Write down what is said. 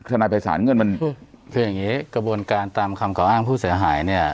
นายภัยศาลเงินมันคืออย่างนี้กระบวนการตามคำกล่าอ้างผู้เสียหายเนี่ย